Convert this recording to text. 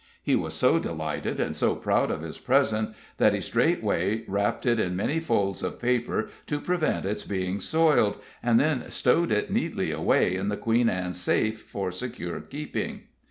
He was so delighted and so proud of his present, that he straightway wrapped it in many folds of paper to prevent its being soiled, and then stowed it neatly away in the Queen Ann's safe, for secure keeping.